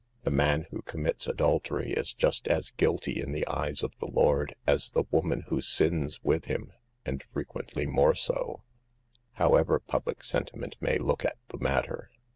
The man who commits adultery is just as guilty in the eyes of the Lord, as the woman who sins with him (and frequently more so), however public sentiment may look at the matter.